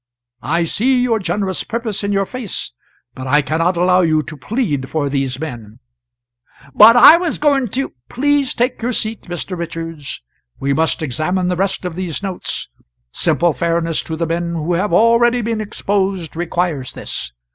"] I see your generous purpose in your face, but I cannot allow you to plead for these men " "But I was going to " "Please take your seat, Mr. Richards. We must examine the rest of these notes simple fairness to the men who have already been exposed requires this.